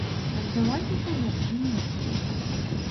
Аддаваць у садок ці не?